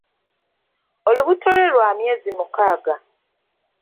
Olubuto lwe lwa myezi mukaaga.